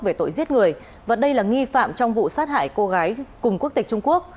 về tội giết người và đây là nghi phạm trong vụ sát hại cô gái cùng quốc tịch trung quốc